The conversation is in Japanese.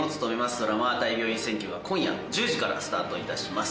ドラマ『大病院占拠』が今夜１０時からスタートいたします。